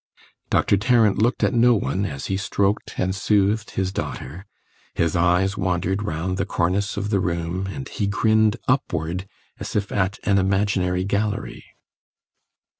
Doctor Tarrant looked at no one as he stroked and soothed his daughter; his eyes wandered round the cornice of the room, and he grinned upward, as if at an imaginary gallery.